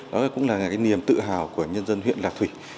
đó cũng là cái niềm tự hào của nhân dân huyện lạc thủy